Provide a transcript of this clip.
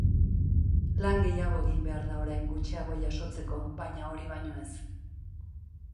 Lan gehiago egin behar da orain gutxiago jasotzeko, baina hori baino ez.